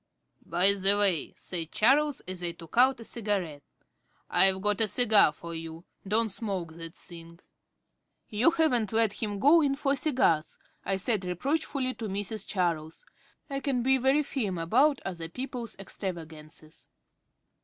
"By the way," said Charles, as I took out a cigarette, "I've got a cigar for you. Don't smoke that thing." "You haven't let him go in for cigars?" I said reproachfully to Mrs. Charles. I can be very firm about other people's extravagances.